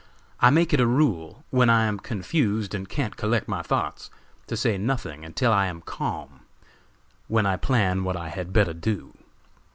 I make it a rule, when I am confused and can't collect my thoughts, to say nothing until I am calm, when I plan what I had better do.